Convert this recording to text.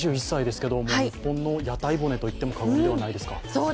２１歳ですけど、日本の屋台骨と言っても過言ではないですか？